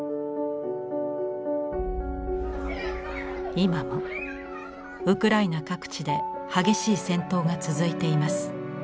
今もウクライナ各地で激しい戦闘が続いています。